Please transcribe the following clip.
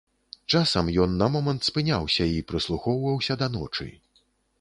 Часам ён на момант спыняўся і прыслухоўваўся да ночы.